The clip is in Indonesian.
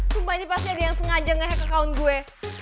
sumpah ini pasti ada yang sengaja nge hack account gue